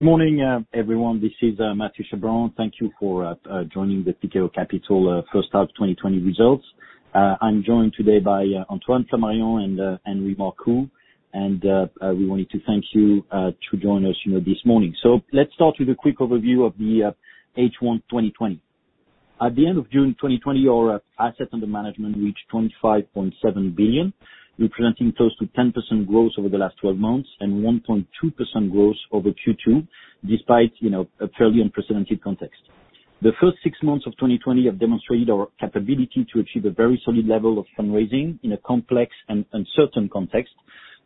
Morning, everyone. This is Mathieu Chabran. Thank you for joining the Tikehau Capital first half 2020 results. I'm joined today by Antoine Flamarion and Henri Marcoux, and we wanted to thank you to join us this morning. Let's start with a quick overview of the H1 2020. At the end of June 2020, our assets under management reached 25.7 billion, representing close to 10% growth over the last 12 months, and 1.2% growth over Q2, despite a fairly unprecedented context. The first six months of 2020 have demonstrated our capability to achieve a very solid level of fundraising in a complex and uncertain context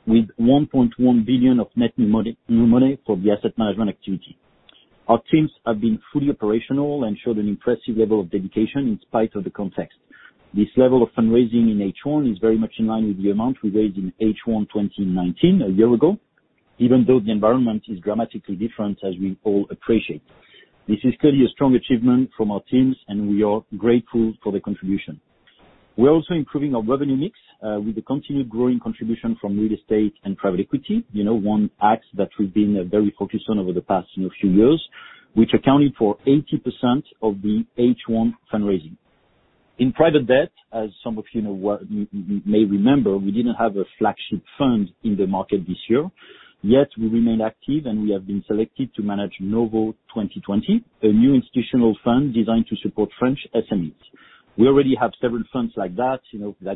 with 1.1 billion of net new money for the asset management activity. Our teams have been fully operational and showed an impressive level of dedication in spite of the context. This level of fundraising in H1 is very much in line with the amount we raised in H1 2019, a year ago, even though the environment is dramatically different, as we all appreciate. This is clearly a strong achievement from our teams, and we are grateful for the contribution. We're also improving our revenue mix with the continued growing contribution from real estate and private equity. One axis that we've been very focused on over the past few years, which accounted for 80% of the H1 fundraising. In private debt, as some of you may remember, we didn't have a flagship fund in the market this year, yet we remained active and we have been selected to manage Novo 2020, a new institutional fund designed to support French SMEs. We already have several funds like that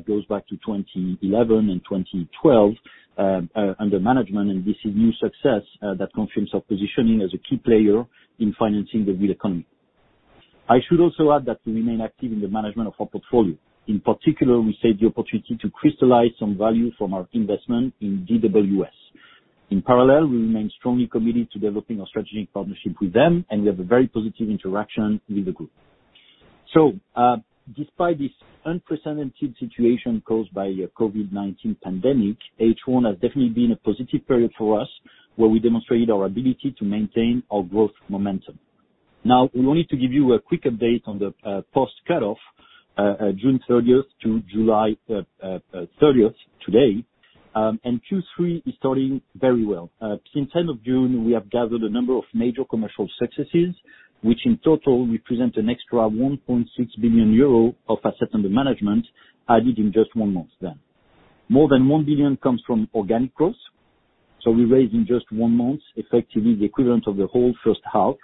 goes back to 2011 and 2012, under management. This is new success that confirms our positioning as a key player in financing the real economy. I should also add that we remain active in the management of our portfolio. In particular, we seized the opportunity to crystallize some value from our investment in DWS. In parallel, we remain strongly committed to developing our strategic partnership with them. We have a very positive interaction with the group. Despite this unprecedented situation caused by COVID-19 pandemic, H1 has definitely been a positive period for us, where we demonstrated our ability to maintain our growth momentum. We wanted to give you a quick update on the post cut-off, June 30th to July 30th, today. Q3 is starting very well. Since end of June, we have gathered a number of major commercial successes, which in total represent an extra 1.6 billion euro of assets under management added in just one month. More than 1 billion comes from organic growth. We raised in just one month, effectively the equivalent of the whole first half.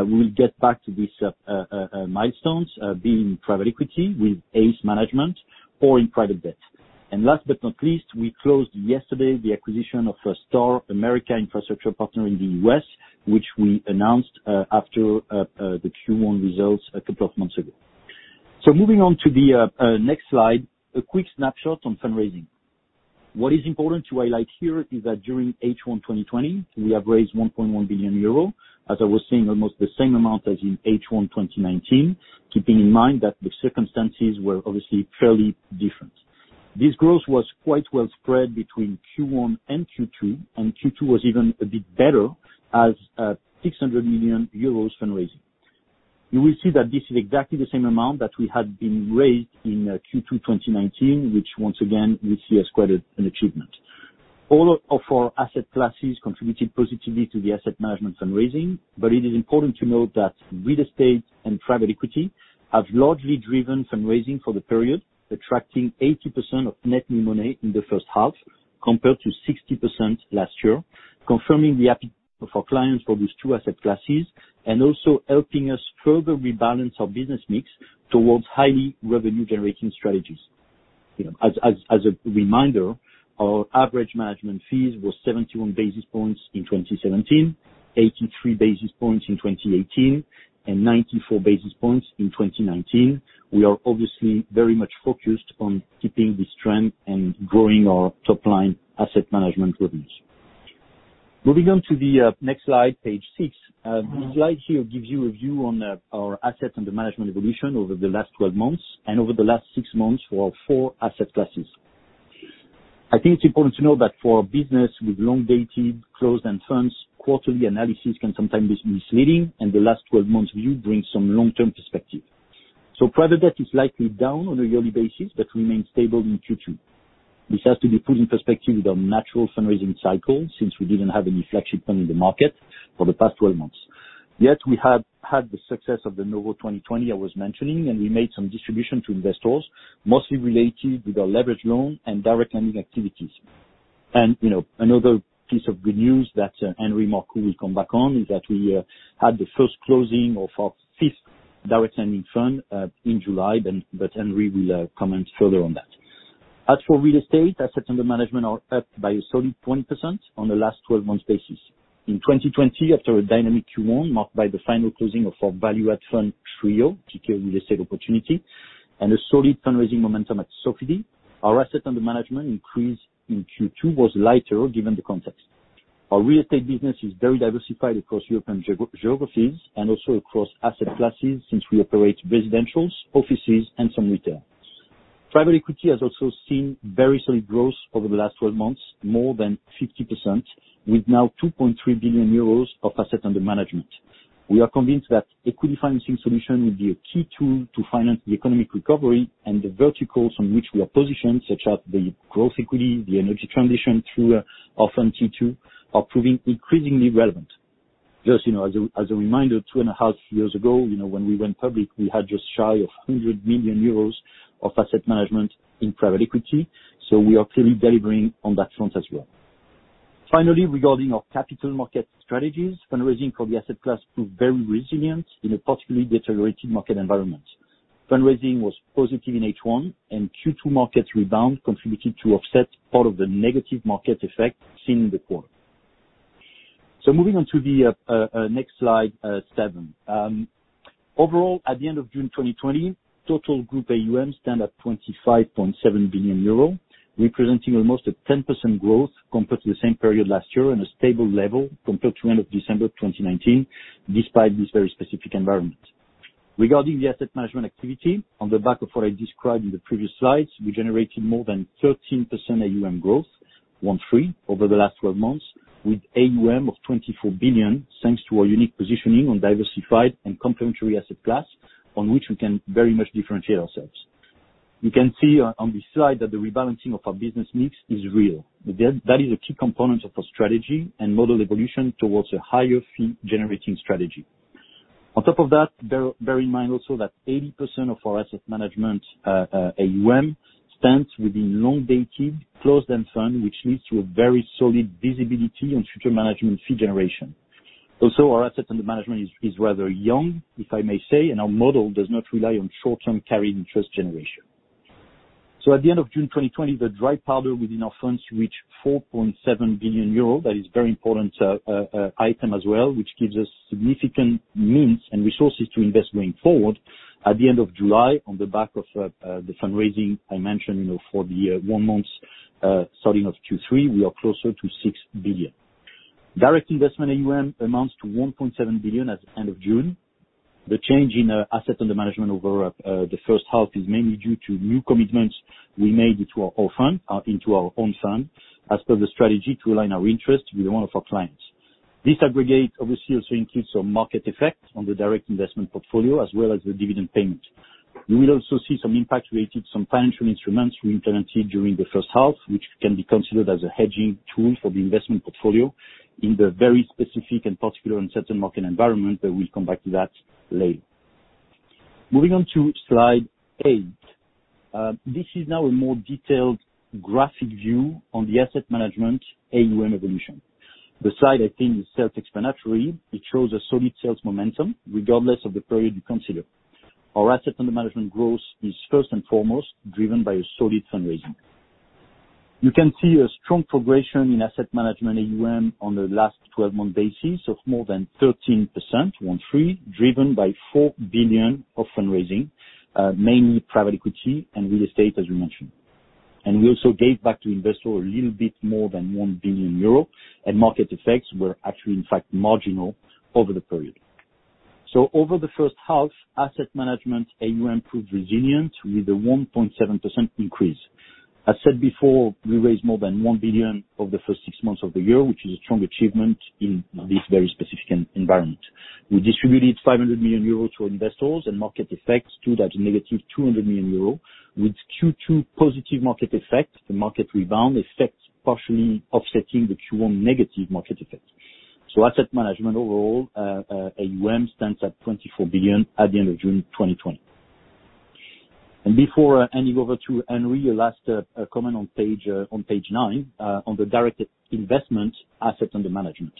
We will get back to these milestones, be in private equity with ACE Management or in private debt. Last but not least, we closed yesterday the acquisition of Star America Infrastructure Partners in the U.S., which we announced after the Q1 results a couple of months ago. Moving on to the next slide, a quick snapshot on fundraising. What is important to highlight here is that during H1 2020, we have raised 1.1 billion euro. As I was saying, almost the same amount as in H1 2019, keeping in mind that the circumstances were obviously fairly different. This growth was quite well spread between Q1 and Q2, and Q2 was even a bit better as 600 million euros fundraising. You will see that this is exactly the same amount that we had been raised in Q2 2019, which once again we see as quite an achievement. It is important to note that real estate and private equity have largely driven fundraising for the period, attracting 80% of net new money in the first half compared to 60% last year, confirming the appetite of our clients for these two asset classes and also helping us further rebalance our business mix towards highly revenue-generating strategies. As a reminder, our average management fees were 71 basis points in 2017, 83 basis points in 2018, and 94 basis points in 2019. We are obviously very much focused on keeping this trend and growing our top-line asset management revenues. Moving on to the next slide, page six. This slide here gives you a view on our assets under management evolution over the last 12 months and over the last six months for our four asset classes. I think it's important to know that for a business with long dated closed-end funds, quarterly analysis can sometimes be misleading and the last 12 months view brings some long-term perspective. Private debt is slightly down on a yearly basis but remains stable in Q2. This has to be put in perspective with our natural fundraising cycle since we didn't have any flagship fund in the market for the past 12 months. We have had the success of the Novo 2020 I was mentioning, and we made some distribution to investors, mostly related with our leverage loan and direct lending activities. Another piece of good news that Henri Marcoux will come back on is that we had the first closing of our fifth direct lending fund in July, but Henri will comment further on that. As for real estate, assets under management are up by a solid 20% on the last 12 months basis. In 2020, after a dynamic Q1 marked by the final closing of our value-add fund TREO, Tikehau Real Estate Opportunity, and a solid fundraising momentum at Sofidy, our asset under management increase in Q2 was lighter given the context. Our real estate business is very diversified across European geographies and also across asset classes since we operate residentials, offices and some retail. Private equity has also seen very solid growth over the last 12 months, more than 50%, with now 2.3 billion euros of assets under management. We are convinced that equity financing solution will be a key tool to finance the economic recovery and the verticals on which we are positioned, such as the growth equity, the energy transition through our fund T2, are proving increasingly relevant. Just as a reminder, two and a half years ago, when we went public, we had just shy of 100 million euros of asset management in private equity. We are clearly delivering on that front as well. Finally, regarding our capital market strategies, fundraising for the asset class proved very resilient in a particularly deteriorated market environment. Fundraising was positive in H1, and Q2 market rebound contributed to offset part of the negative market effect seen in the quarter. Moving on to the next slide seven. Overall, at the end of June 2020, total group AUM stand at 25.7 billion euro, representing almost a 10% growth compared to the same period last year and a stable level compared to end of December 2019, despite this very specific environment. Regarding the asset management activity, on the back of what I described in the previous slides, we generated more than 13% AUM growth, one three, over the last 12 months, with AUM of 24 billion thanks to our unique positioning on diversified and complementary asset class, on which we can very much differentiate ourselves. You can see on this slide that the rebalancing of our business mix is real. That is a key component of our strategy and model evolution towards a higher fee-generating strategy. On top of that, bear in mind also that 80% of our asset management, AUM, stands within long-dated closed-end fund, which leads to a very solid visibility on future management fee generation. Our assets under management is rather young, if I may say, and our model does not rely on short-term carried interest generation. At the end of June 2020, the dry powder within our funds reached 4.7 billion euro. That is very important item as well, which gives us significant means and resources to invest going forward. At the end of July, on the back of the fundraising I mentioned for the one month starting of Q3, we are closer to 6 billion. Direct investment AUM amounts to 1.7 billion at the end of June. The change in assets under management over the first half is mainly due to new commitments we made into our own fund, as per the strategy to align our interest with the one of our clients. This aggregate obviously also includes some market effect on the direct investment portfolio as well as the dividend payment. You will also see some impact related to some financial instruments we implemented during the first half, which can be considered as a hedging tool for the investment portfolio in the very specific and particular uncertain market environment that we'll come back to that later. Moving on to slide eight. This is now a more detailed graphic view on the asset management AUM evolution. The slide, I think, is self-explanatory. It shows a solid sales momentum regardless of the period you consider. Our asset under management growth is first and foremost driven by a solid fundraising. You can see a strong progression in asset management AUM on the last 12-month basis of more than 13%, one three, driven by 4 billion of fundraising, mainly private equity and real estate, as we mentioned. We also gave back to investor a little bit more than 1 billion euro, and market effects were actually, in fact, marginal over the period. Over the first half, asset management AUM proved resilient with a 1.7% increase. As said before, we raised more than 1 billion over the first six months of the year, which is a strong achievement in this very specific environment. We distributed 500 million euros to our investors, and market effects stood at negative 200 million euros, with Q2 positive market effect, the market rebound effect partially offsetting the Q1 negative market effect. Asset management overall AUM stands at 24 billion at the end of June 2020. Before handing over to Henri, a last comment on page nine, on the direct investment assets under management.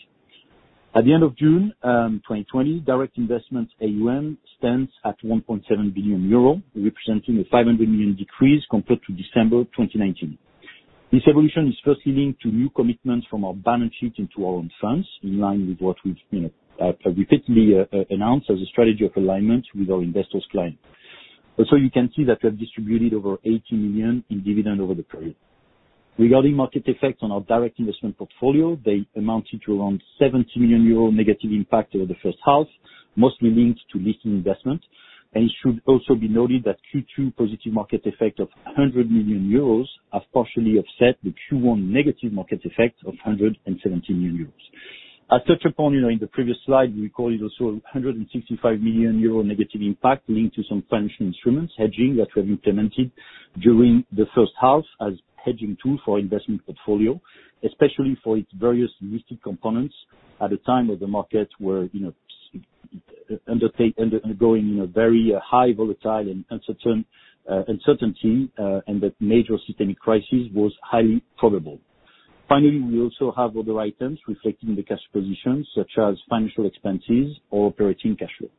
At the end of June 2020, direct investment AUM stands at 1.7 billion euro, representing a 500 million decrease compared to December 2019. This evolution is firstly linked to new commitments from our balance sheet into our own funds, in line with what we've repeatedly announced as a strategy of alignment with our investors client. Also, you can see that we have distributed over 80 million in dividend over the period. Regarding market effect on our direct investment portfolio, they amounted to around 70 million euro negative impact over the first half, mostly linked to leasing investment. It should also be noted that Q2 positive market effect of 100 million euros have partially offset the Q1 negative market effect of 170 million euros. As touched upon in the previous slide, we recorded also a 165 million euro negative impact linked to some financial instruments hedging that we have implemented during the first half as hedging tool for investment portfolio, especially for its various listed components at the time that the markets were undergoing a very high volatility and uncertainty, and that major systemic crisis was highly probable. We also have other items reflecting the cash position, such as financial expenses or operating cash flow.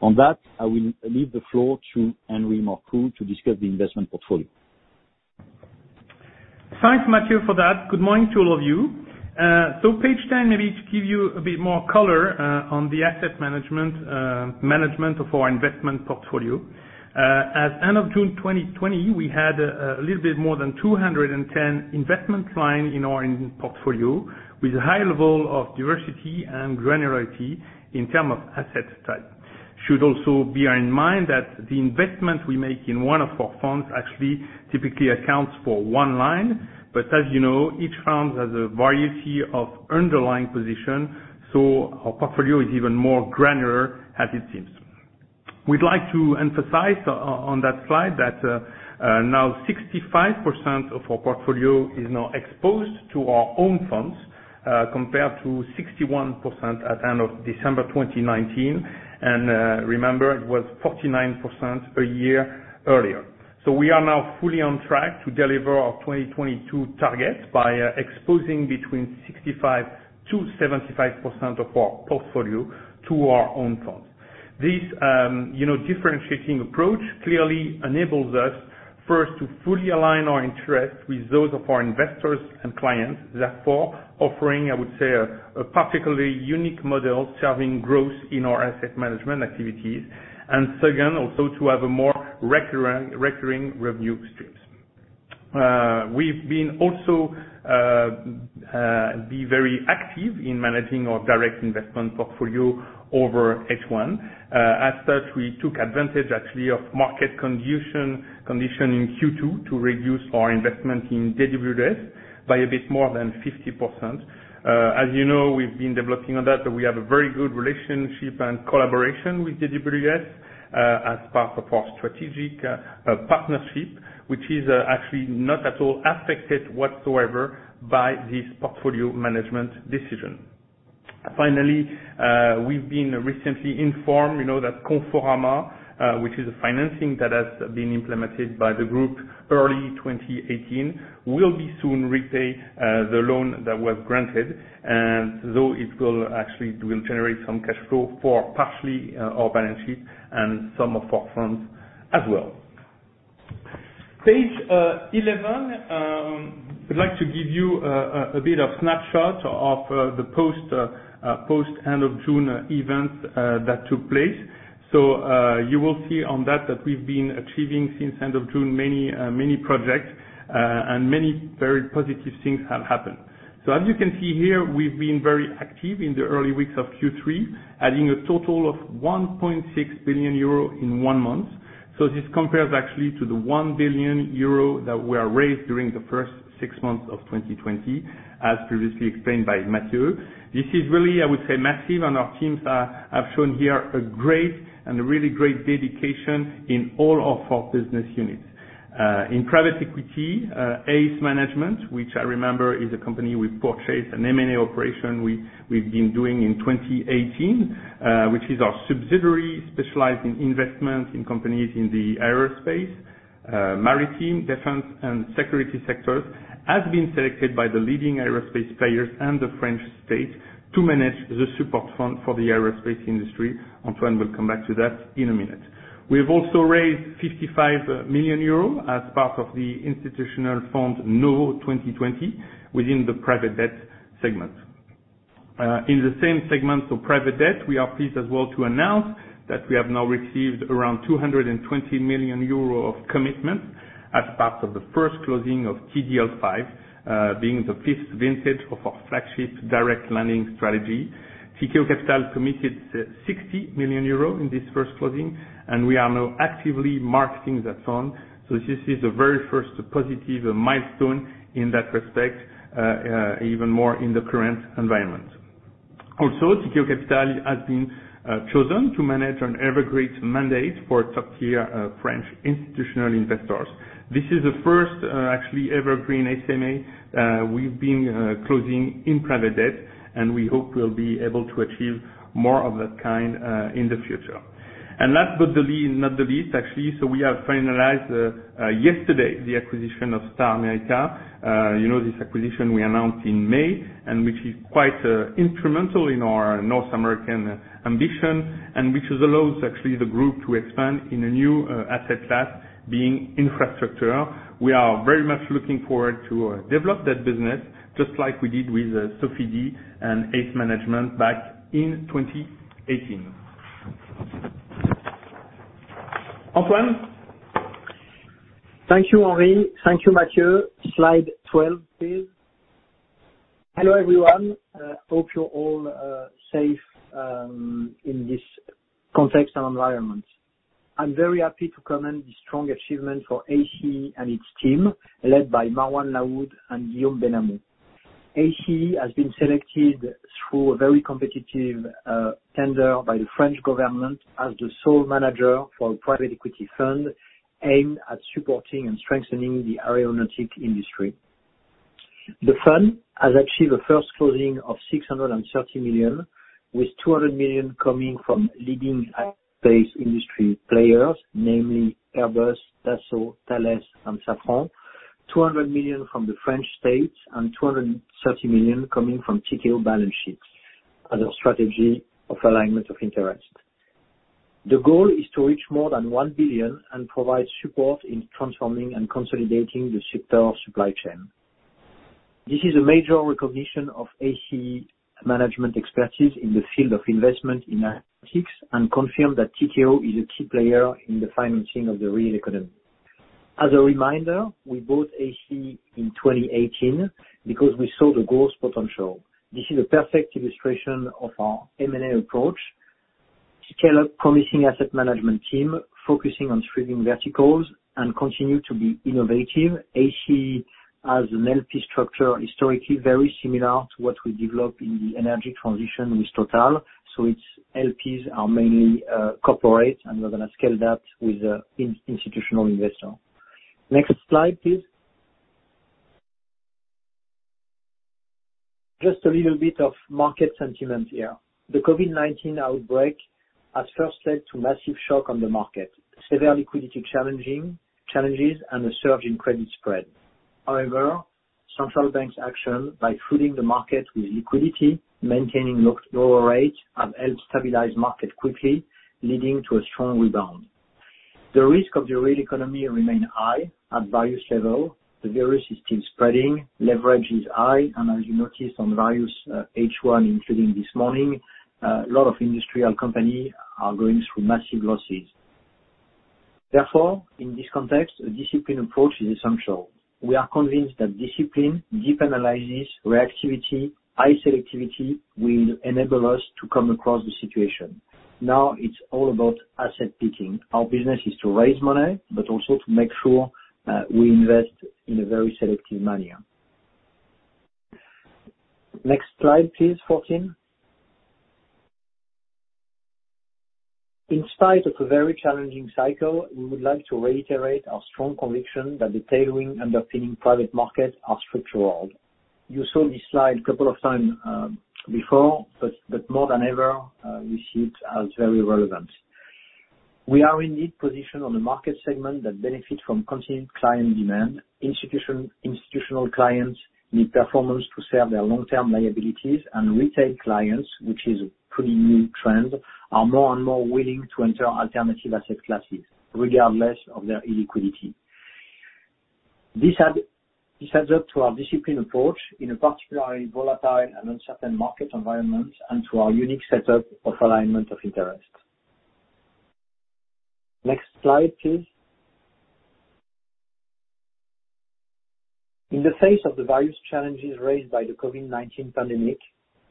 On that, I will leave the floor to Henri Marcoux to discuss the investment portfolio. Thanks, Mathieu, for that. Good morning to all of you. Page 10, maybe to give you a bit more color on the asset management of our investment portfolio. As end of June 2020, we had a little bit more than 210 investment lines in our investment portfolio, with a high level of diversity and granularity in term of asset type. Should also bear in mind that the investment we make in one of our funds actually typically accounts for one line. As you know, each fund has a variety of underlying position, our portfolio is even more granular as it seems. We'd like to emphasize on that slide that now 65% of our portfolio is now exposed to our own funds, compared to 61% at end of December 2019. Remember, it was 49% a year earlier. We are now fully on track to deliver our 2022 targets by exposing between 65%-75% of our portfolio to our own funds. This differentiating approach clearly enables us, first, to fully align our interests with those of our investors and clients, therefore offering, I would say, a particularly unique model driving growth in our asset management activities, and second, also to have a more recurring revenue streams. We've been also very active in managing our direct investment portfolio over H1. We took advantage actually of market condition in Q2 to reduce our investment in DWS by a bit more than 50%. You know, we've been developing on that, we have a very good relationship and collaboration with DWS as part of our strategic partnership, which is actually not at all affected whatsoever by this portfolio management decision. We've been recently informed that Conforama, which is a financing that has been implemented by the group early 2018, will be soon repay the loan that was granted. It will actually generate some cash flow for partially our balance sheet and some of our funds as well. Page 11. We'd like to give you a bit of snapshot of the post end of June events that took place. You will see on that we've been achieving since end of June, many projects, and many very positive things have happened. As you can see here, we've been very active in the early weeks of Q3, adding a total of 1.6 billion euro in one month. This compares actually to the 1 billion euro that were raised during the first six months of 2020, as previously explained by Mathieu. This is really, I would say, massive. Our teams have shown here a really great dedication in all of our business units. In private equity, ACE Management, which I remember is a company we purchased, an M&A operation we've been doing in 2018, which is our subsidiary specialized in investment in companies in the aerospace, maritime, defense, and security sectors, has been selected by the leading aerospace players and the French state to manage the support fund for the aerospace industry. Antoine will come back to that in a minute. We have also raised 55 million euros as part of the institutional fund Novo 2020 within the private debt segment. In the same segment of private debt, we are pleased as well to announce that we have now received around 220 million euro of commitment as part of the first closing of TDL V, being the fifth vintage of our flagship direct lending strategy. Tikehau Capital committed 60 million euros in this first closing. We are now actively marketing that fund. This is the very first positive milestone in that respect, even more in the current environment. Tikehau Capital has been chosen to manage an evergreen mandate for top-tier French institutional investors. This is the first actually evergreen SMA we've been closing in private debt. We hope we'll be able to achieve more of that kind in the future. Last but not the least actually, we have finalized yesterday the acquisition of Star America. This acquisition we announced in May, and which is quite instrumental in our North American ambition and which allows actually the group to expand in a new asset class, being infrastructure. We are very much looking forward to develop that business just like we did with Sofidy and ACE Management back in 2018. Antoine? Thank you, Henri. Thank you, Mathieu. Slide 12, please. Hello, everyone. Hope you're all safe in this context and environment. I am very happy to comment the strong achievement for ACE and its team led by Marwan Lahoud and Guillaume Benhamou. ACE has been selected through a very competitive tender by the French government as the sole manager for a private equity fund aimed at supporting and strengthening the aeronautic industry. The fund has achieved a first closing of 630 million, with 200 million coming from leading aerospace industry players, namely Airbus, Dassault, Thales, and Safran, 200 million from the French state, and 230 million coming from Tikehau balance sheets as a strategy of alignment of interest. The goal is to reach more than 1 billion and provide support in transforming and consolidating the sector supply chain. This is a major recognition of ACE Management expertise in the field of investment in aeronautics, confirm that Tikehau is a key player in the financing of the real economy. As a reminder, we bought ACE in 2018 because we saw the growth potential. This is a perfect illustration of our M&A approach. Scale up promising asset management team, focusing on trending verticals, continue to be innovative. ACE has an LP structure, historically very similar to what we developed in the energy transition with Total. Its LPs are mainly corporate, we're going to scale that with institutional investor. Next slide, please. Just a little bit of market sentiment here. The COVID-19 outbreak at first led to massive shock on the market, severe liquidity challenges, a surge in credit spread. However, central bank's action by flooding the market with liquidity, maintaining low rates, have helped stabilize market quickly, leading to a strong rebound. The risk of the real economy remain high at various level. The virus is still spreading, leverage is high, and as you noticed on various H1, including this morning, a lot of industrial company are going through massive losses. In this context, a disciplined approach is essential. We are convinced that discipline, deep analysis, reactivity, high selectivity will enable us to come through the situation. Now it's all about asset picking. Our business is to raise money, but also to make sure we invest in a very selective manner. Next slide please, 14. In spite of a very challenging cycle, we would like to reiterate our strong conviction that the tailwinds underpinning private markets are structural. You saw this slide couple of time before, but more than ever, we see it as very relevant. We are in lead position on the market segment that benefit from continued client demand. Institutional clients need performance to serve their long-term liabilities, and retail clients, which is a pretty new trend, are more and more willing to enter alternative asset classes regardless of their illiquidity. This adds up to our disciplined approach in a particularly volatile and uncertain market environment, and to our unique setup of alignment of interest. Next slide, please. In the face of the various challenges raised by the COVID-19 pandemic,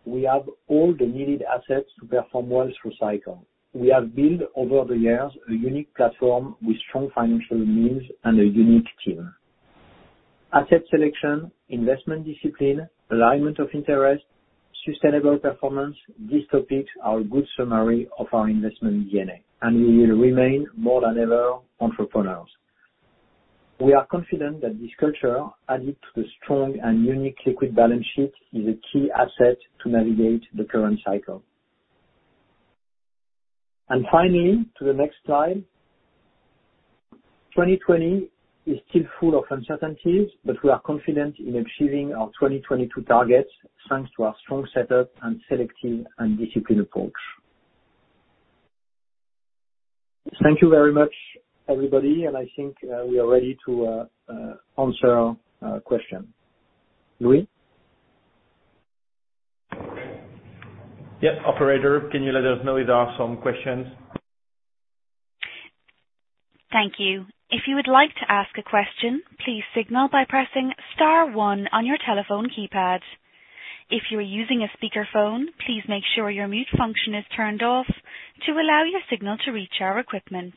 we have all the needed assets to perform well through cycle. We have built over the years a unique platform with strong financial means and a unique team. Asset selection, investment discipline, alignment of interest, sustainable performance, these topics are a good summary of our investment DNA, and we will remain more than ever entrepreneurs. We are confident that this culture, added to the strong and unique liquid balance sheet, is a key asset to navigate the current cycle. Finally, to the next slide. 2020 is still full of uncertainties, but we are confident in achieving our 2022 targets thanks to our strong setup and selective and disciplined approach. Thank you very much, everybody, and I think we are ready to answer question. Louis? Yes, operator, can you let us know if there are some questions? Thank you. If you would like to ask a question, please signal by pressing star one on your telephone keypad. If you are using a speakerphone, please make sure your mute function is turned off to allow your signal to reach our equipment.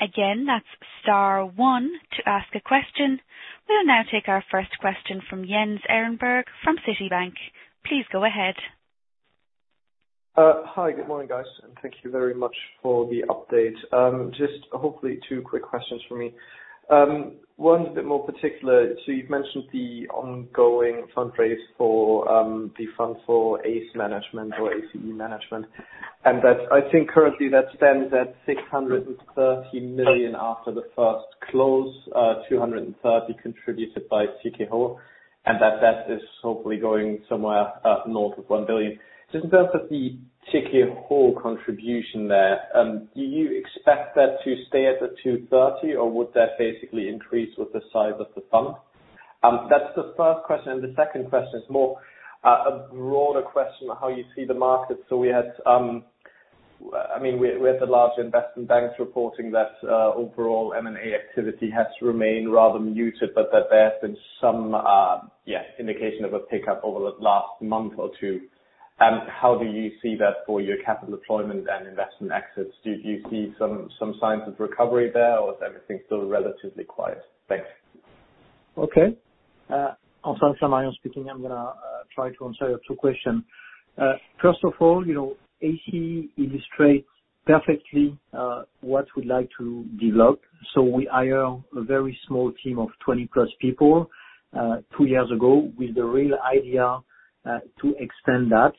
Again, that's star one to ask a question. We'll now take our first question from Jens Ehrenberg from Citi. Please go ahead. Hi. Good morning, guys, and thank you very much for the update. Just hopefully two quick questions for me. One is a bit more particular. You've mentioned the ongoing fundraise for the fund for ACE Management, and that I think currently that stands at 630 million after the first close, 230 million contributed by Tikehau, and that is hopefully going somewhere north of 1 billion. Just in terms of the Tikehau contribution there, do you expect that to stay at the 230 million, or would that basically increase with the size of the fund? That's the first question, and the second question is more a broader question of how you see the market. We had the large investment banks reporting that overall M&A activity has remained rather muted, but that there's been some indication of a pickup over the last month or two. How do you see that for your capital deployment and investment exits? Do you see some signs of recovery there, or is everything still relatively quiet? Thanks. Okay. Antoine Flamarion speaking. I'm gonna try to answer your two question. First of all, ACE illustrates perfectly what we'd like to develop. We hire a very small team of 20+ people two years ago with the real idea to extend that.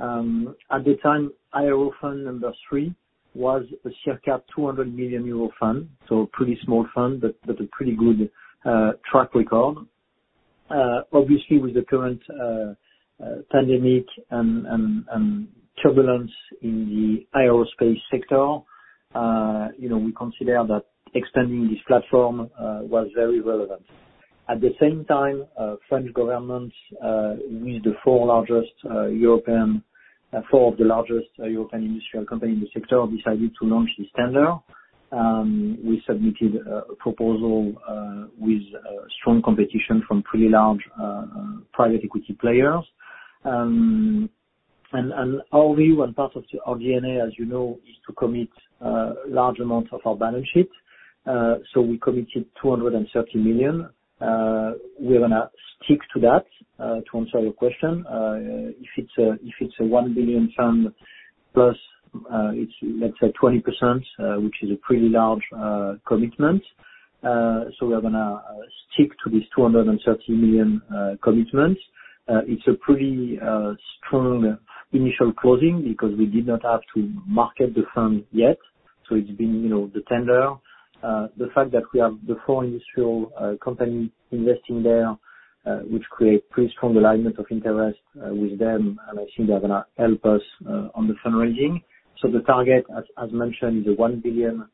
At the time, Aero fund number three was a circa 200 million euro fund. Pretty small fund, but a pretty good track record. Obviously, with the current pandemic and turbulence in the aerospace sector, we consider that expanding this platform was very relevant. At the same time, French government, with four of the largest European industrial company in the sector, decided to launch this tender. We submitted a proposal with strong competition from pretty large private equity players. Henri, one part of our DNA, as you know, is to commit large amounts of our balance sheet. We committed 230 million. We are going to stick to that, to answer your question. If it is a 1 billion fund plus, let's say 20%, which is a pretty large commitment. We are going to stick to this 230 million commitment. It is a pretty strong initial closing because we did not have to market the fund yet. It has been the tender. The fact that we have the four industrial companies investing there which create pretty strong alignment of interest with them, and I think they are going to help us on the fundraising. The target as mentioned, is a 1 billion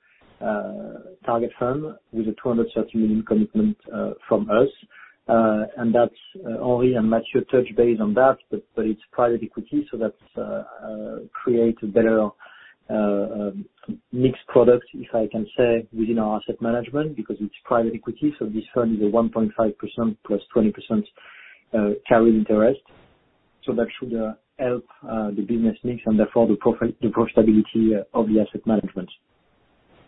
target fund with a 230 million commitment from us. That is Henri and Mathieu touch base on that. It is private equity, so that create a better mixed product, if I can say, within our asset management, because it is private equity. This fund is a 1.5% plus 20% carried interest. That should help the business mix and therefore the profitability of the asset management.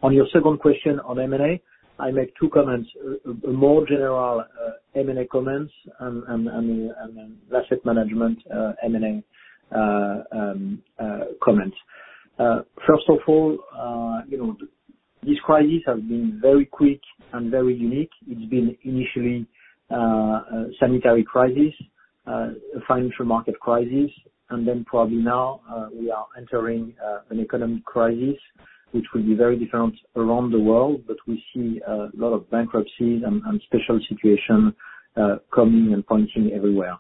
On your second question on M&A, I make two comments, a more general M&A comments and the asset management M&A comments. First of all, this crisis has been very quick and very unique. It's been initially sanitary crisis, a financial market crisis. Probably now we are entering an economic crisis, which will be very different around the world. We see a lot of bankruptcies and special situation coming and pointing everywhere.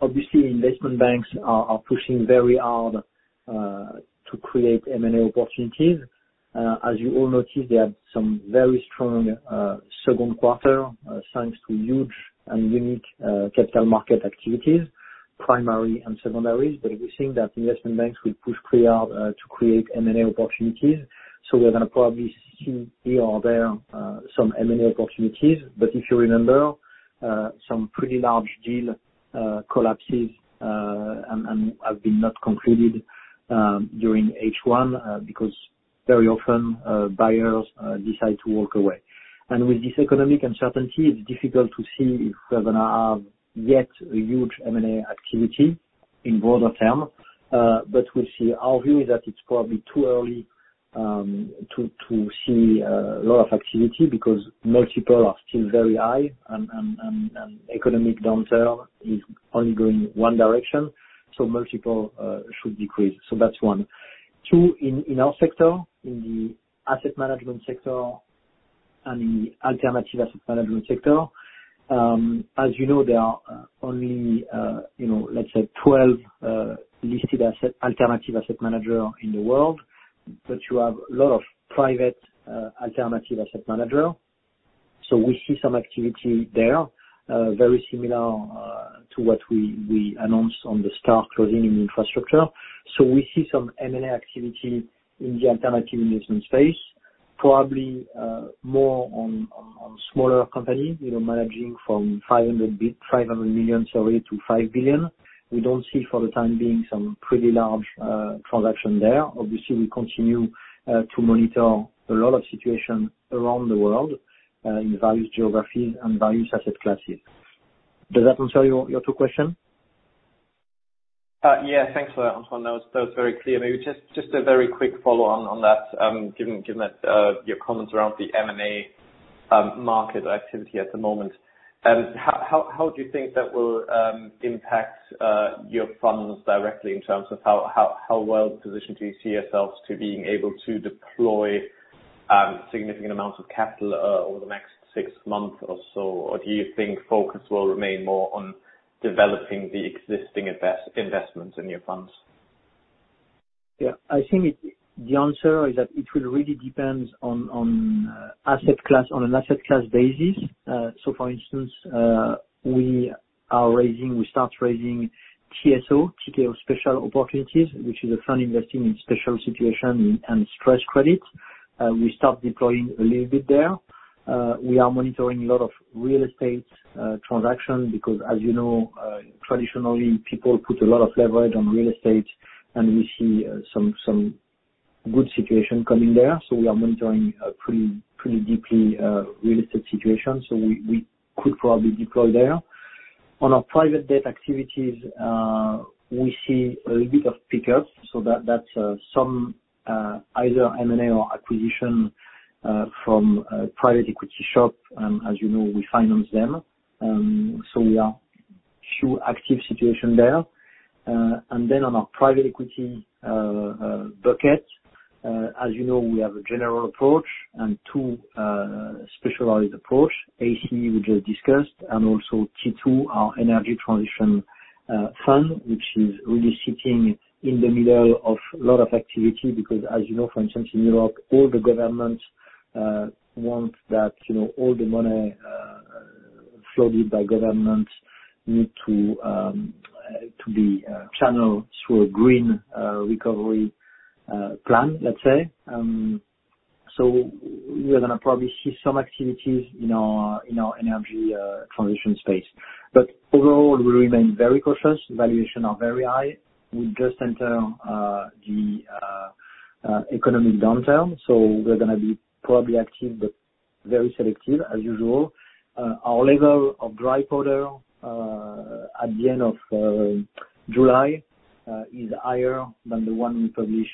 Obviously, investment banks are pushing very hard to create M&A opportunities. As you all noticed, they had some very strong second quarter, thanks to huge and unique capital market activities, primary and secondaries. We think that investment banks will push pretty hard to create M&A opportunities. We're going to probably see here or there some M&A opportunities. If you remember, some pretty large deal collapses and have been not concluded during H1 because very often buyers decide to walk away. With this economic uncertainty, it's difficult to see if we're going to have yet a huge M&A activity in broader term. We'll see. Our view is that it's probably too early to see a lot of activity because multiple are still very high, and economic downturn is only going one direction. Multiple should decrease. That's one. Two, in our sector, in the asset management sector and in the alternative asset management sector. As you know, there are only, let's say, 12 listed alternative asset manager in the world. You have a lot of private alternative asset manager. We see some activity there, very similar to what we announced on the Star closing in infrastructure. We see some M&A activity in the alternative investment space, probably more on smaller company, managing from 500 million, sorry, to 5 billion. We don't see for the time being some pretty large transaction there. Obviously, we continue to monitor a lot of situation around the world in various geographies and various asset classes. Does that answer your two question? Yeah. Thanks for that, Antoine. That was very clear. Maybe just a very quick follow-on on that. Given your comments around the M&A market activity at the moment, how do you think that will impact your funds directly in terms of how well positioned do you see yourselves to being able to deploy significant amounts of capital over the next six months or so? Do you think focus will remain more on developing the existing investments in your funds? I think the answer is that it will really depend on an asset class basis. For instance, we start raising TSO, Tikehau Special Opportunities, which is a fund investing in special situation and stressed credit. We start deploying a little bit there. We are monitoring a lot of real estate transactions because as you know, traditionally people put a lot of leverage on real estate, and we see some good situations coming there. We are monitoring pretty deeply real estate situations. We could probably deploy there. On our private debt activities, we see a little bit of pick-up, so that's some either M&A or acquisition from private equity shops, and as you know, we finance them. We are two active situations there. Then on our private equity bucket, as you know, we have a general approach and two specialized approach, ACE, we just discussed, and also T2, our energy transition fund, which is really sitting in the middle of a lot of activity because as you know, for instance, in Europe, all the governments want all the money flooded by governments need to be channeled through a green recovery plan, let's say. We are going to probably see some activities in our energy transition space. Overall, we remain very cautious. Valuation are very high. We just enter the economic downturn, so we're going to be probably active, but very selective as usual. Our level of dry powder at the end of July, is higher than the one we publish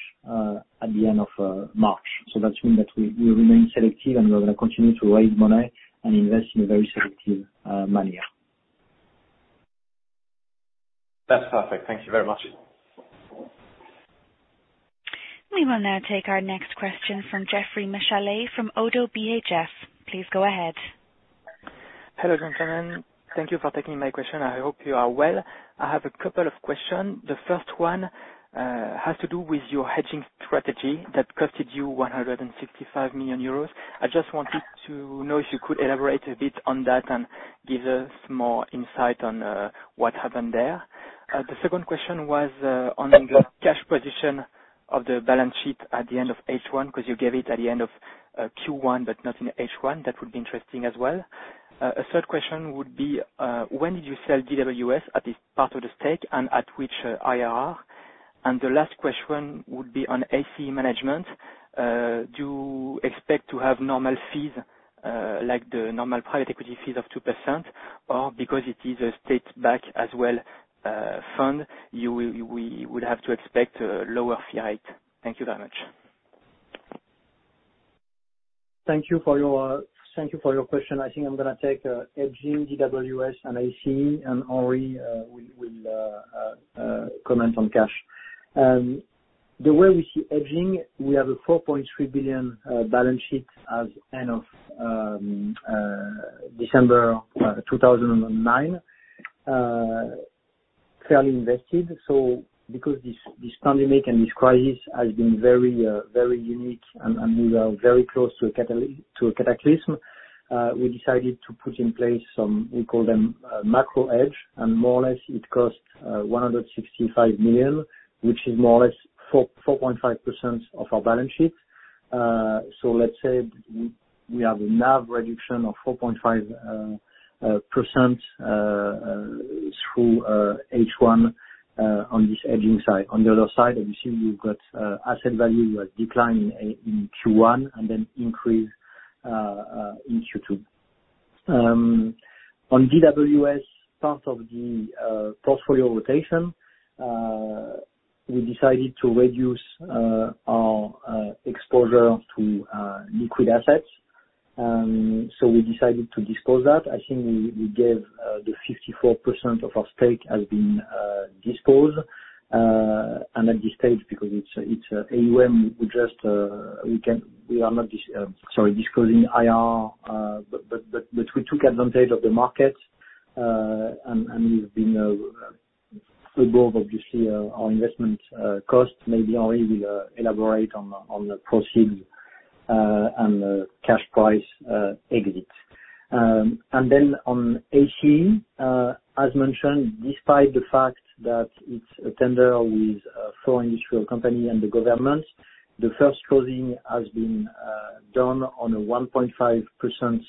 at the end of March. That means that we remain selective, and we're going to continue to raise money and invest in a very selective manner. That's perfect. Thank you very much. We will now take our next question from Geoffroy Michalet from Oddo BHF. Please go ahead. Hello, gentlemen. Thank you for taking my question. I hope you are well. I have a couple of questions. The first one has to do with your hedging strategy that cost you 165 million euros. I just wanted to know if you could elaborate a bit on that and give us more insight on what happened there. The second question was on the cash position of the balance sheet at the end of H1, because you gave it at the end of Q1, but not in H1. That would be interesting as well. A third question would be, when did you sell DWS at this part of the stake and at which IRR? The last question would be on ACE Management. Do you expect to have normal fees, like the normal private equity fees of 2%? Because it is a state back as well, fund, we would have to expect a lower fee rate. Thank you very much. Thank you for your question. I think I'm going to take, hedging, DWS and ACE, and Henri will comment on cash. The way we see hedging, we have a 4.3 billion balance sheet as end of December 2019, fairly invested. Because this pandemic and this crisis has been very unique and we are very close to a cataclysm, we decided to put in place some, we call them macro hedge, and more or less it cost 165 million, which is more or less 4.5% of our balance sheet. Let's say we have a NAV reduction of 4.5%, through H1 on this hedging side. On the other side, obviously, we've got asset value decline in Q1 and then increase in Q2. On DWS part of the portfolio rotation, we decided to reduce our exposure to liquid assets. We decided to disclose that. I think we gave the 54% of our stake has been disclosed, and at this stage, because it's AUM, we are not disclosing IRR, but we took advantage of the market, and we've been above, obviously, our investment costs. Maybe Henri will elaborate on the proceeds, and the cash price exit. On ACE, as mentioned, despite the fact that it's a tender with four industrial company and the government, the first closing has been done on a 1.5%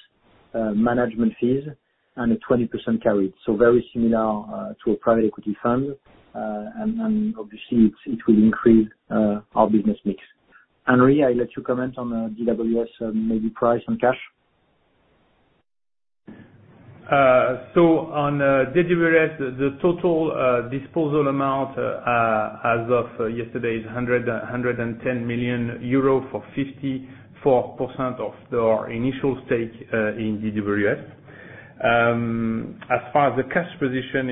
management fees and a 20% carried. Very similar to a private equity fund. Obviously it will increase our business mix. Henri, I let you comment on DWS, maybe price and cash. On DWS, the total disposal amount, as of yesterday is 110 million euro for 54% of our initial stake in DWS. As far as the cash position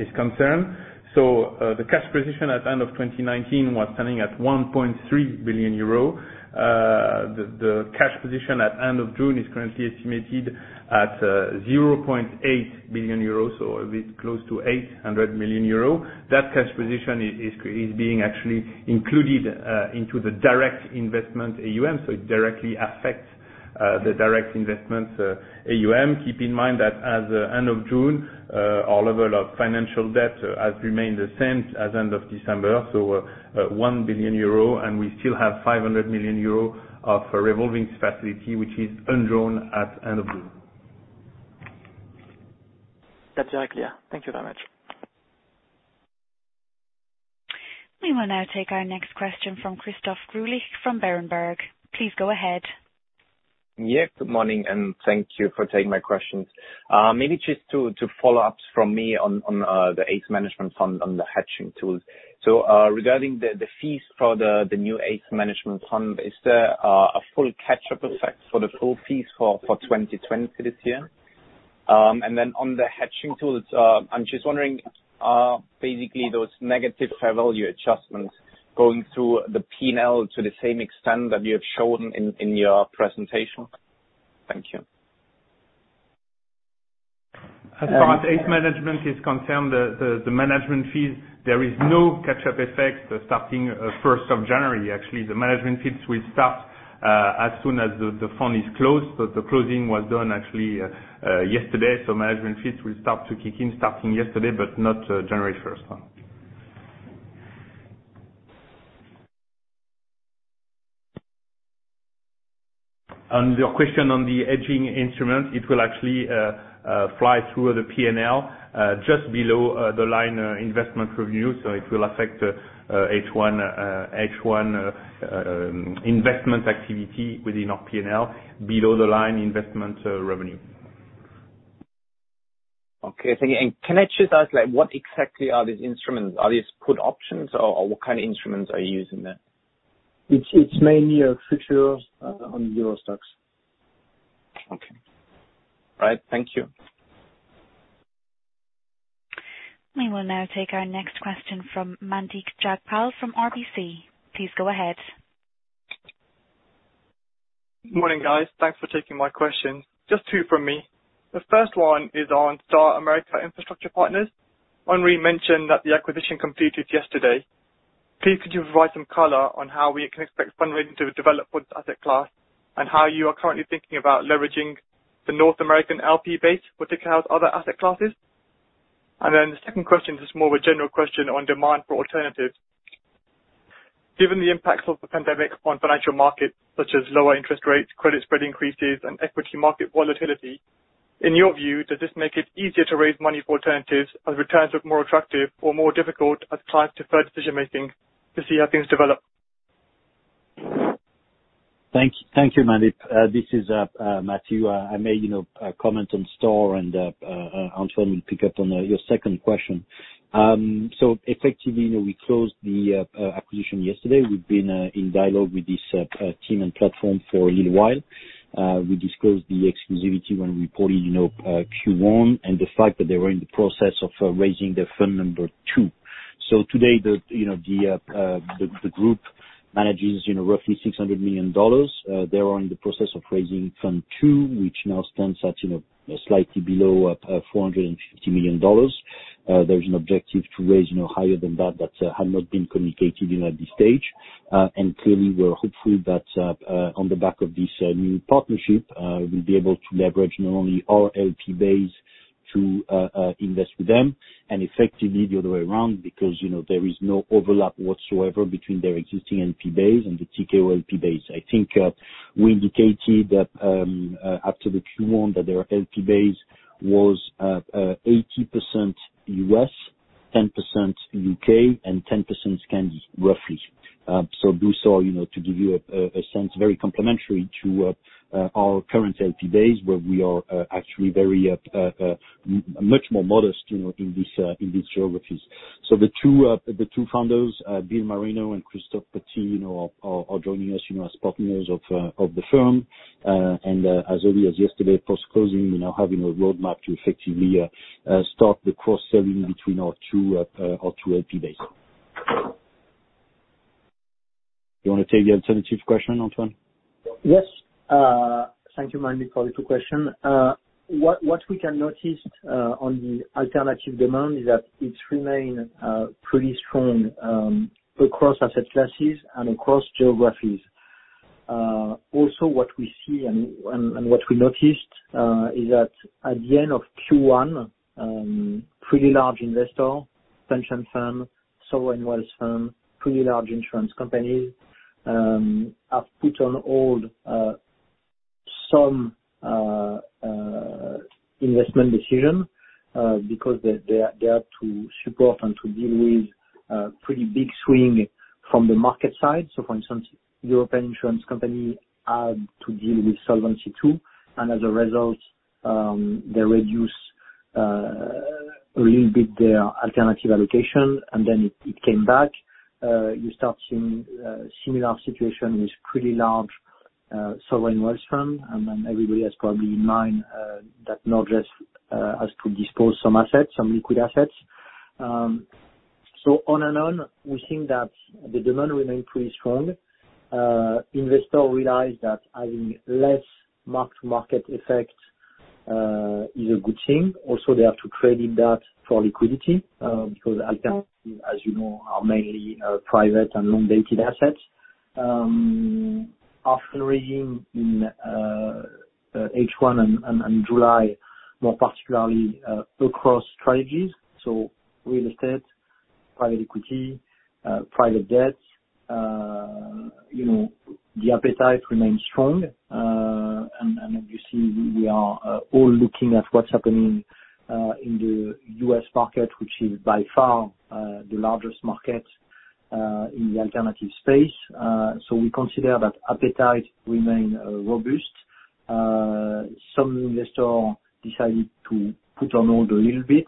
is concerned, the cash position at the end of 2019 was standing at 1.3 billion euro. The cash position at end of June is currently estimated at 0.8 billion euro, a bit close to 800 million euro. That cash position is being actually included into the direct investment AUM, it directly affects the direct investment AUM. Keep in mind that as of end of June, our level of financial debt has remained the same as end of December, 1 billion euro, and we still have 500 million euro of revolving facility, which is undrawn at end of June. That's very clear. Thank you very much. We will now take our next question from Christoph Greulich from Berenberg. Please go ahead. Yes, good morning. Thank you for taking my questions. Maybe just two follow-ups from me on the ACE Management Fund on the hedging tools. Regarding the fees for the new ACE Management Fund, is there a full catch-up effect for the full fees for 2020 this year? On the hedging tools, I'm just wondering, basically those negative fair value adjustments going through the P&L to the same extent that you have shown in your presentation? Thank you. As far as ACE Management is concerned, the management fees, there is no catch-up effect starting first of January. Actually, the management fees will start as soon as the fund is closed. The closing was done actually yesterday. Management fees will start to kick in starting yesterday, but not January 1st. On your question on the hedging instrument, it will actually fly through the P&L just below the line investment revenue. It will affect H1 investment activity within our P&L below the line investment revenue. Okay. Thank you. Can I just ask, what exactly are these instruments? Are these put options or what kind of instruments are you using there? It's mainly futures on Euro Stoxx. Okay. All right. Thank you. We will now take our next question from Mandeep Jagpal from RBC. Please go ahead. Morning, guys. Thanks for taking my question. Just two from me. The first one is on Star America Infrastructure Partners. Henri mentioned that the acquisition completed yesterday. Please could you provide some color on how we can expect fundraising to develop with asset class, and how you are currently thinking about leveraging the North American LP base with Tikehau other asset classes? The second question is more of a general question on demand for alternatives. Given the impacts of the pandemic on financial markets such as lower interest rates, credit spread increases, and equity market volatility, in your view, does this make it easier to raise money for alternatives as returns look more attractive or more difficult as clients defer decision-making to see how things develop? Thank you, Mandeep. This is Mathieu. I may comment on Star America and Antoine will pick up on your second question. Effectively, we closed the acquisition yesterday. We've been in dialogue with this team and platform for a little while. We disclosed the exclusivity when we reported Q1, the fact that they were in the process of raising their fund number two. Today, the group manages roughly $600 million. They are in the process of raising fund two, which now stands at slightly below $450 million. There's an objective to raise higher than that had not been communicated at this stage. Clearly, we're hopeful that on the back of this new partnership, we'll be able to leverage not only our LP base to invest with them and effectively the other way around, because there is no overlap whatsoever between their existing LP base and the Tikehau LP base. I think we indicated that after the Q1 that their LP base was 80% U.S., 10% U.K., and 10% Scandi, roughly. To give you a sense very complementary to our current LP base, where we are actually much more modest in these geographies. The two founders, Bill Marino and Christophe Petit, are joining us as partners of the firm. As early as yesterday, post-closing, having a roadmap to effectively start the cross-selling between our two LP base. You want to take the alternative question, Antoine? Yes. Thank you, Mandeep, for the two question. What we can notice on the alternative demand is that it remain pretty strong across asset classes and across geographies. What we see and what we noticed is that at the end of Q1, pretty large investor, pension firm, sovereign wealth firm, pretty large insurance companies, have put on hold some investment decision because they have to support and to deal with pretty big swing from the market side. For instance, European insurance company had to deal with Solvency II, and as a result, they reduce a little bit their alternative allocation, and then it came back. You start seeing a similar situation with pretty large sovereign wealth fund, and then everybody has probably in mind that Norges has to dispose some assets, some liquid assets. On and on, we think that the demand remain pretty strong. Investors realize that having less marked market effect is a good thing. They have to trade in that for liquidity, because alternatives, as you know, are mainly private and long-dated assets. After reading H1 and July, more particularly across strategies, so real estate, private equity, private debt, the appetite remains strong. You see we are all looking at what's happening in the U.S. market, which is by far the largest market in the alternative space. We consider that appetite remains robust. Some investors decided to put on hold a little bit,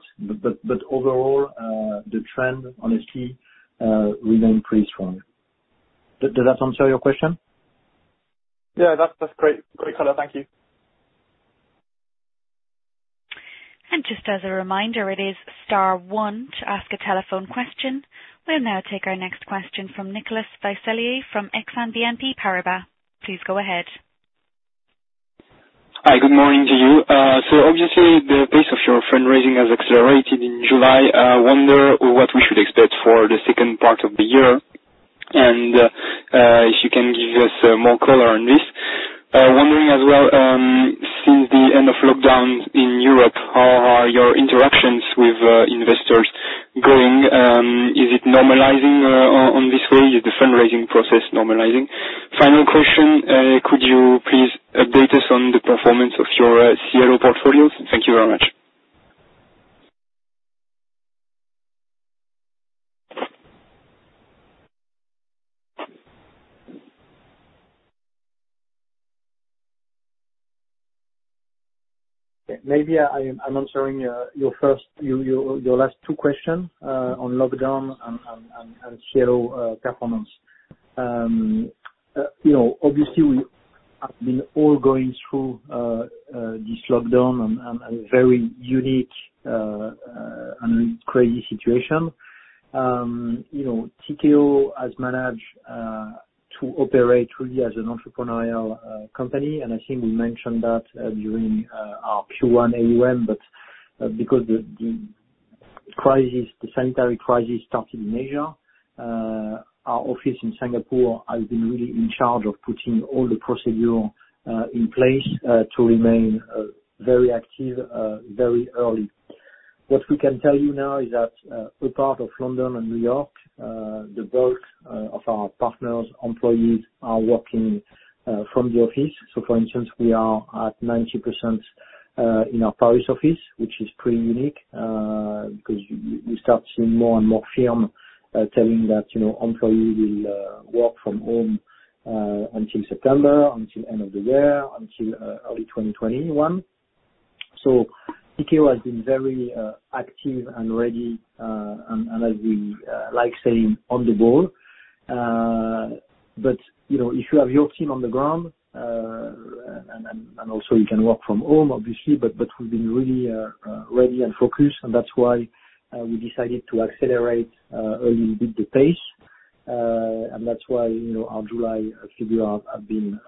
overall, the trend honestly remains pretty strong. Does that answer your question? Yeah, that's great color. Thank you. Just as a reminder, it is star one to ask a telephone question. We'll now take our next question from Nicolas Vaysselier from Exane BNP Paribas. Please go ahead. Hi, good morning to you. Obviously the pace of your fundraising has accelerated in July. I wonder what we should expect for the second part of the year, and if you can give us more color on this. Wondering as well, since the end of lockdown in Europe, how are your interactions with investors going? Is it normalizing on this way? Is the fundraising process normalizing? Final question, could you please update us on the performance of your CLO portfolios? Thank you very much. Maybe I'm answering your last two questions, on lockdown and CLO performance. Obviously, we have been all going through this lockdown and a very unique and crazy situation. Tikehau has managed to operate really as an entrepreneurial company, and I think we mentioned that during our Q1 AUM, but because the sanitary crisis started in Asia, our office in Singapore has been really in charge of putting all the procedure in place to remain very active very early. What we can tell you now is that apart of London and New York, the bulk of our partners, employees, are working from the office. For instance, we are at 90% in our Paris office, which is pretty unique, because you start seeing more and more firms telling that employees will work from home until September, until end of the year, until early 2021. Tikehau has been very active and ready, and as we like saying, on the ball. If you have your team on the ground, and also you can work from home, obviously, we've been really ready and focused, and that's why we decided to accelerate a little bit the pace. That's why our July figures have been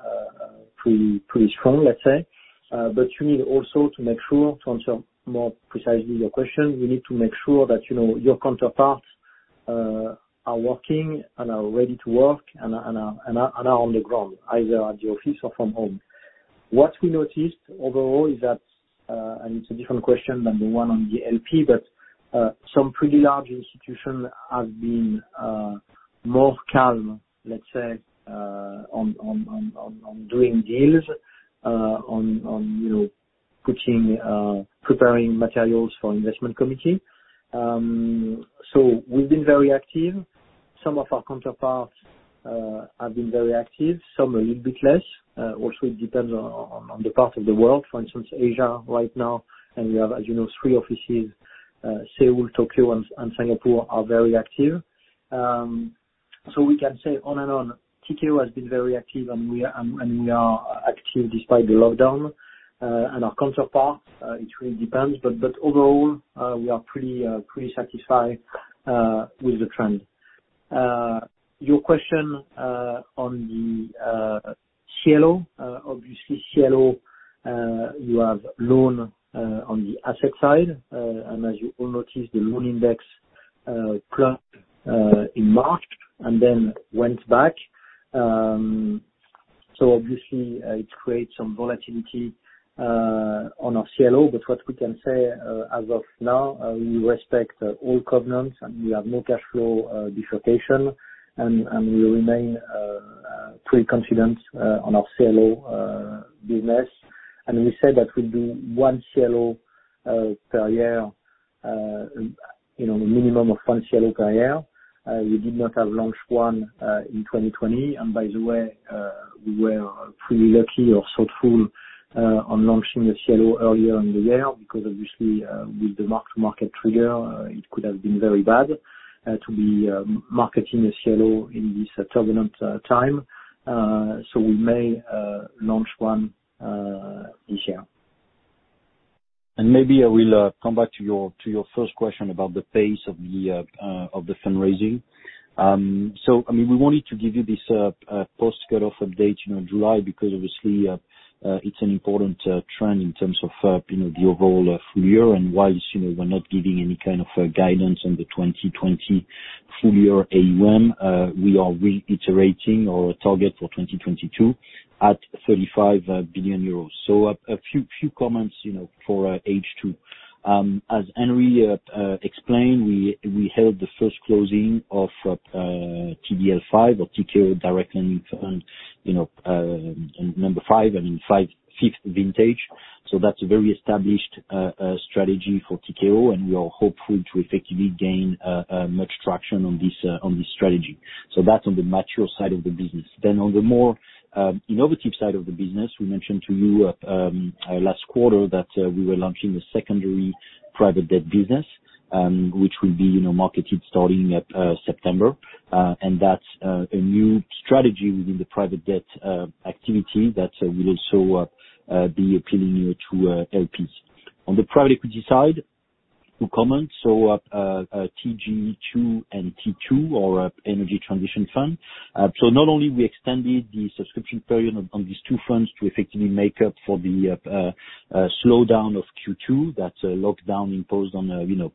pretty strong, let's say. You need also to make sure, to answer more precisely your question, we need to make sure that your counterparts are working and are ready to work and are on the ground, either at the office or from home. What we noticed overall is that, it's a different question than the one on the LP, but some pretty large institutions have been more calm, let's say, on doing deals, on preparing materials for investment committee. We've been very active. Some of our counterparts have been very active, some a little bit less. It depends on the part of the world. For instance, Asia right now, we have, as you know, three offices Seoul, Tokyo, and Singapore are very active. We can say on and on, Tikehau has been very active, and we are active despite the lockdown. Our counterparts, it really depends. Overall, we are pretty satisfied with the trend. Your question on the CLO. CLO, you have loan on the asset side. As you all noticed, the loan index dropped in March and then went back. Obviously, it creates some volatility on our CLO. What we can say as of now, we respect all covenants, and we have no cash flow dislocation, and we remain pretty confident on our CLO business. We said that we do one CLO per year, a minimum of one CLO per year. We did not have launched one in 2020. By the way, we were pretty lucky or succesful on launching the CLO earlier in the year, because obviously, with the mark-to-market trigger, it could have been very bad to be marketing a CLO in this turbulent time. We may launch one this year. Maybe I will come back to your first question about the pace of the fundraising. We wanted to give you this post cut-off update in July because obviously it's an important trend in terms of the overall full year. Whilst we're not giving any kind of guidance on the 2020 full year AUM, we are reiterating our target for 2022 at 35 billion euros. A few comments for H2. As Henri explained, we held the first closing of TDL V or Tikehau Direct Lending number five, and in fifth vintage. That's a very established strategy for Tikehau, and we are hopeful to effectively gain much traction on this strategy. That's on the mature side of the business. On the more innovative side of the business, we mentioned to you last quarter that we were launching a secondary private debt business, which will be marketed starting at September. That's a new strategy within the private debt activity that will also be appealing to LPs. On the private equity side, to comment, TGE II and T2 are energy transition fund. Not only we extended the subscription period on these two funds to effectively make up for the slowdown of Q2, that lockdown imposed on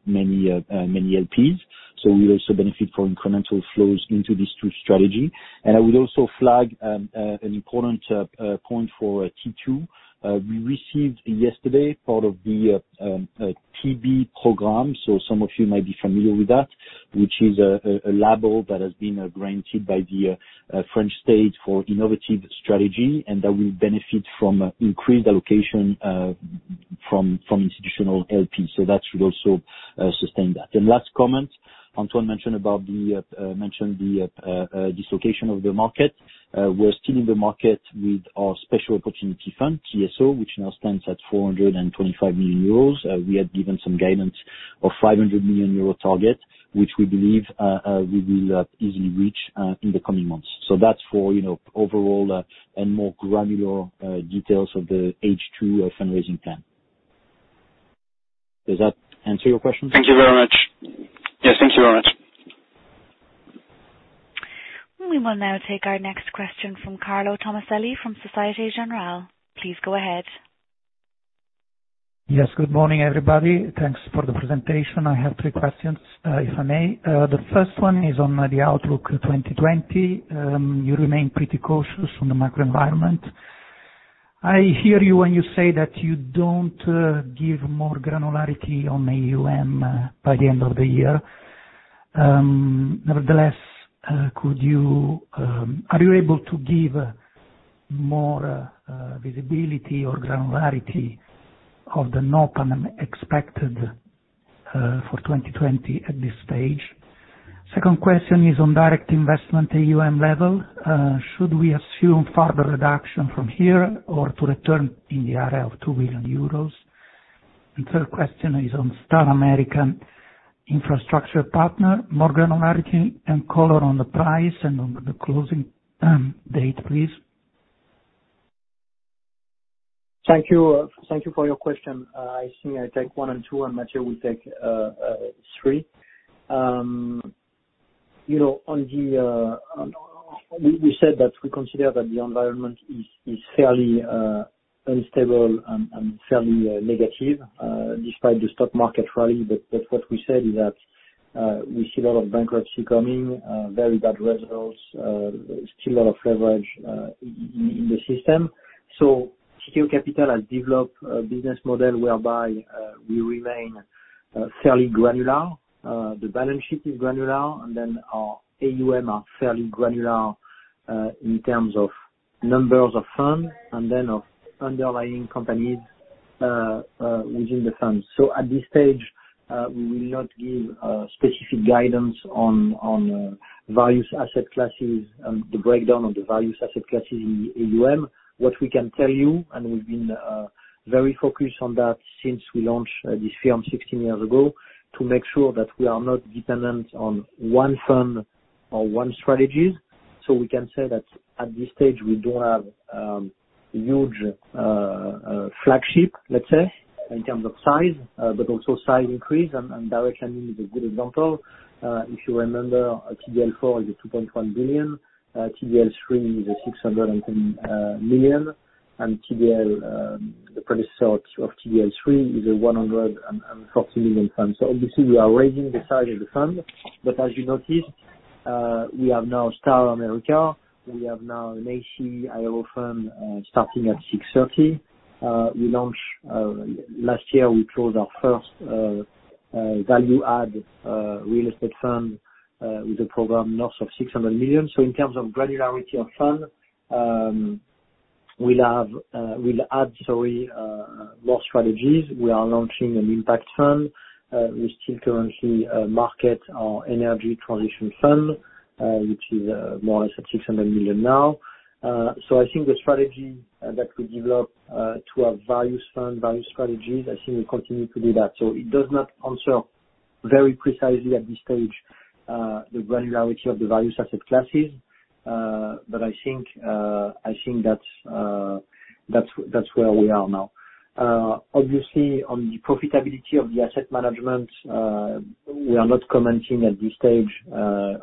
many LPs. We also benefit from incremental flows into these two strategy. I would also flag an important point for T2. We received yesterday part of the Tibi program, some of you might be familiar with that, which is a label that has been granted by the French state for innovative strategy, and that will benefit from increased allocation from institutional LPs. That should also sustain that. Last comment, Antoine mentioned the dislocation of the market. We're still in the market with our special opportunity fund, TSO, which now stands at 425 million euros. We had given some guidance of 500 million euro target, which we believe we will easily reach in the coming months. That's for overall and more granular details of the H2 fundraising plan. Does that answer your question? Thank you very much. Yes, thank you very much. We will now take our next question from Carlo Tommaselli from Société Générale. Please go ahead. Yes. Good morning, everybody. Thanks for the presentation. I have three questions, if I may. The first one is on the outlook 2020. You remain pretty cautious on the macro environment. I hear you when you say that you don't give more granularity on AUM by the end of the year. Nevertheless, are you able to give more visibility or granularity of the NOPM expected for 2020 at this stage? Second question is on direct investment AUM level. Should we assume further reduction from here or to return in the area of 2 billion euros? Third question is on Star America Infrastructure Partners, more granularity and color on the price and on the closing date, please. Thank you for your question. I think I take one and two, and Mathieu will take three. We said that we consider that the environment is fairly unstable and fairly negative despite the stock market rally. What we said is that we see a lot of bankruptcy coming, very bad results, still a lot of leverage in the system. Tikehau Capital has developed a business model whereby we remain fairly granular. The balance sheet is granular, and then our AUM are fairly granular in terms of numbers of funds, and then of underlying companies within the funds. At this stage, we will not give specific guidance on various asset classes and the breakdown of the various asset classes in AUM. What we can tell you, we've been very focused on that since we launched this firm 16 years ago, to make sure that we are not dependent on one fund or one strategies. We can say that at this stage, we don't have huge flagship, let's say, in terms of size, but also size increase, direct lending is a good example. If you remember, TDL IV is a 2.1 billion, TDL III is a 610 million, the predecessor of TDL III is a 140 million fund. Obviously we are raising the size of the fund. As you noticed, we have now Star America. We have now an ACE Aero fund starting at 630 million. Last year, we closed our first value-add real estate fund with a program north of 600 million. In terms of granularity of fund, we'll add more strategies. We are launching an impact fund. We still currently market our energy transition fund, which is more or less at 600 million now. I think the strategy that we develop to have various fund, various strategies, I think we'll continue to do that. It does not answer very precisely at this stage the granularity of the various asset classes, but I think that's where we are now. Obviously, on the profitability of the asset management, we are not commenting at this stage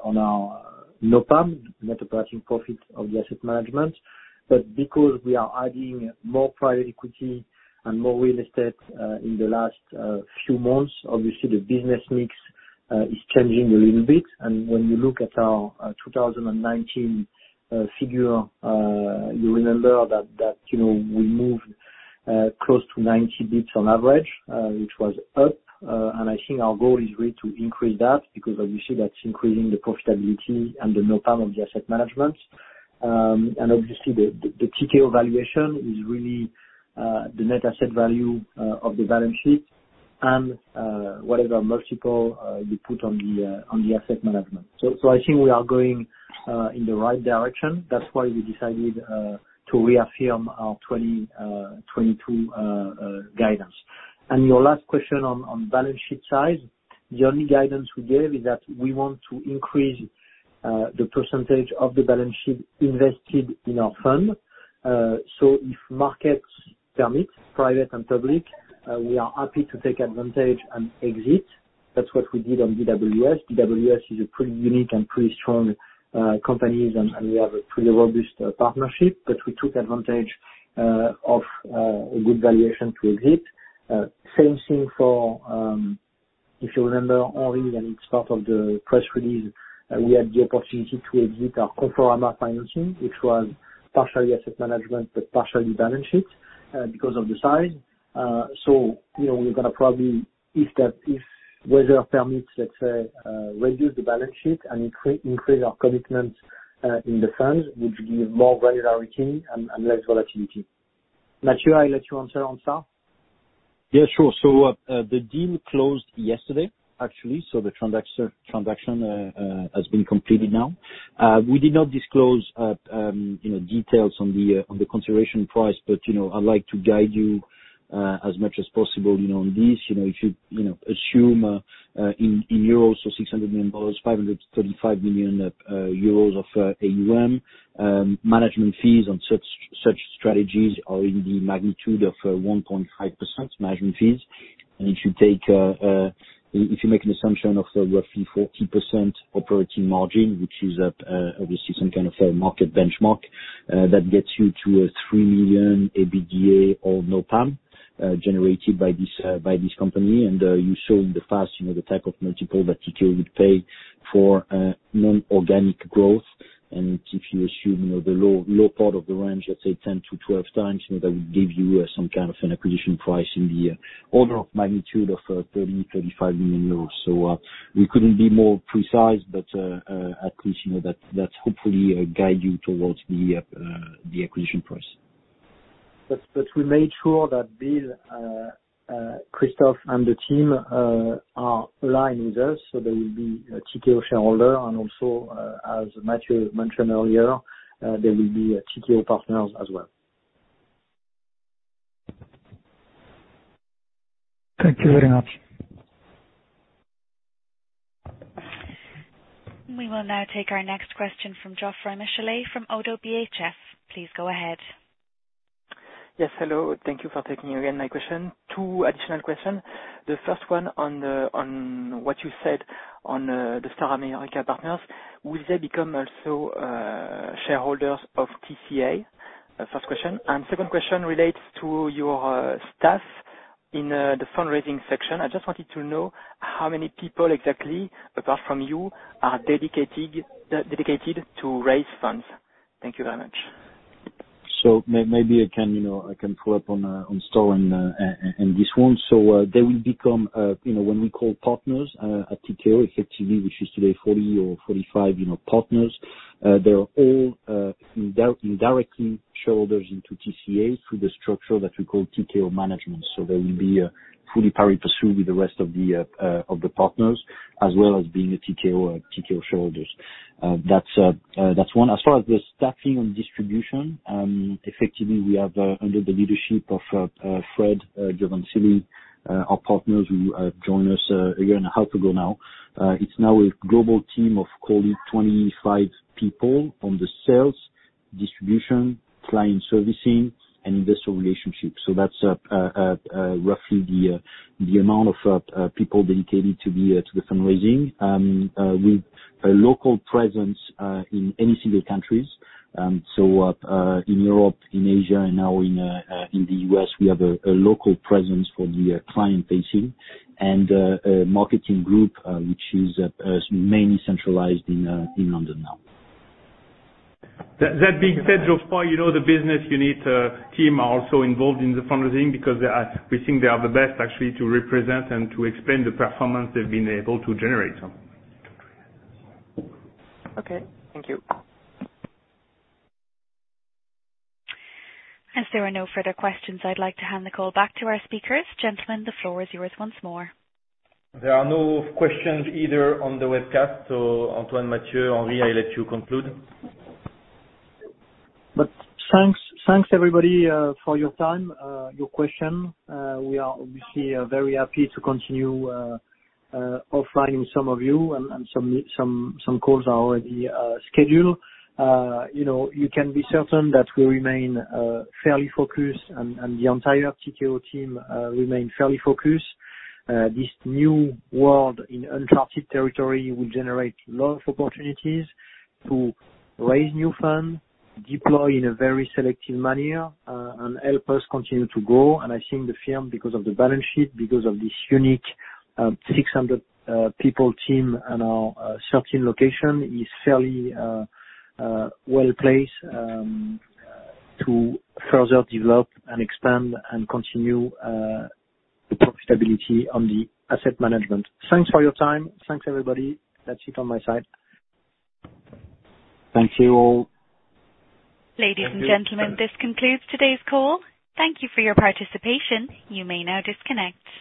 on our NOPM, Net Operating Profit of the asset management. Because we are adding more private equity and more real estate in the last few months, obviously the business mix is changing a little bit. When you look at our 2019 figure, you remember that we moved close to 90 basis points on average, which was up. I think our goal is really to increase that because obviously that's increasing the profitability and the NOPM of the asset management. Obviously, the Tikehau valuation is really the net asset value of the balance sheet and whatever multiple you put on the asset management. I think we are going in the right direction. That's why we decided to reaffirm our 2022 guidance. Your last question on balance sheet size. The only guidance we gave is that we want to increase the percentage of the balance sheet invested in our fund. If markets permit, private and public, we are happy to take advantage and exit. That's what we did on DWS. DWS is a pretty unique and pretty strong company, and we have a pretty robust partnership, but we took advantage of a good valuation to exit. Same thing for, if you remember, Henri, and it's part of the press release, we had the opportunity to exit our Carrefour financing, which was partially asset management, but partially balance sheet because of the size. We're going to probably, if weather permits, let's say, reduce the balance sheet and increase our commitments in the funds, which give more value retaining and less volatility. Mathieu, I let you answer on SA. The deal closed yesterday, actually, the transaction has been completed now. We did not disclose details on the consideration price. I'd like to guide you as much as possible on this. If you assume in euros, $600 million, 535 million euros of AUM. Management fees on such strategies are in the magnitude of 1.5% management fees. If you make an assumption of roughly 40% operating margin, which is obviously some kind of a market benchmark, that gets you to a 3 million EBITDA or NOPM generated by this company. You saw in the past the type of multiple that Tikehau would pay for non-organic growth. If you assume the low part of the range, let's say 10x-12x, that will give you some kind of an acquisition price in the order of magnitude of 30 million-35 million euros. We couldn't be more precise, but at least that hopefully guide you towards the acquisition price. We made sure that Bill, Christophe, and the team are aligned with us, so they will be a Tikehau shareholder, and also, as Mathieu mentioned earlier, they will be Tikehau partners as well. Thank you very much. We will now take our next question from Geoffroy Michalet from Oddo BHF. Please go ahead. Yes, hello. Thank you for taking again my question. Two additional questions. The first one on what you said on the Star America partners. Will they become also shareholders of TCA? First question. Second question relates to your staff in the fundraising section. I just wanted to know how many people exactly, apart from you, are dedicated to raise funds. Thank you very much. Maybe I can follow up on Star on this one. They will become, when we call partners at Tikehau, effectively, which is today 40 or 45 partners. They're all indirectly shareholders into TCA through the structure that we call Tikehau Management. They will be fully pari passu with the rest of the partners, as well as being Tikehau shareholders. That's one. As far as the staffing and distribution, effectively, we have under the leadership of Fred Giovansili, our partners who join us a year and a half ago now. It's now a global team of roughly 25 people on the sales, distribution, client servicing, and investor relationships. That's roughly the amount of people dedicated to the fundraising, with a local presence in any single countries. In Europe, in Asia, and now in the U.S., we have a local presence for the client-facing and marketing group, which is mainly centralized in London now. That being said, Geoffroy, the business unit team are also involved in the fundraising because we think they are the best actually to represent and to explain the performance they've been able to generate. Okay. Thank you. As there are no further questions, I'd like to hand the call back to our speakers. Gentlemen, the floor is yours once more. There are no questions either on the webcast, so Antoine, Mathieu, Henri, I let you conclude. Thanks, everybody, for your time, your question. We are obviously very happy to continue offline with some of you, and some calls are already scheduled. You can be certain that we remain fairly focused, and the entire Tikehau team remain fairly focused. This new world in uncharted territory will generate a lot of opportunities to raise new funds, deploy in a very selective manner, and help us continue to grow. I think the firm, because of the balance sheet, because of this unique 600-people team and our 13 locations, is fairly well-placed to further develop and expand and continue the profitability on the asset management. Thanks for your time. Thanks, everybody. That's it on my side. Thank you all. Ladies and gentlemen, this concludes today's call. Thank you for your participation. You may now disconnect.